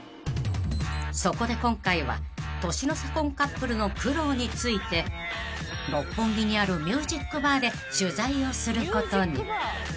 ［そこで今回は年の差婚カップルの苦労について六本木にあるミュージックバーで取材をすることに］